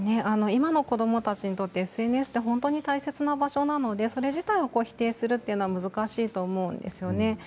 今の子どもたちにとってＳＮＳはとても大切な場所なのでそれ自体を否定するということは難しいと思うんですよね。